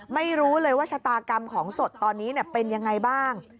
ไม่รู้เลยว่าชะตากรรมของสดตอนนี้เป็นยังไงบ้าง